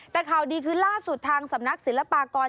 แต่ข่าวดีคือล่าสุดทางสำนักศิลปากร